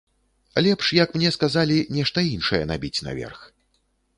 Лепш, як мне сказалі, нешта іншае набіць наверх.